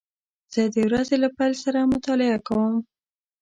زه د ورځې له پیل سره مطالعه کوم.